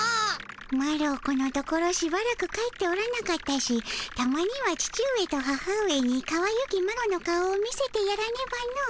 マロこのところしばらく帰っておらなかったしたまには父上と母上にかわゆきマロの顔を見せてやらねばの。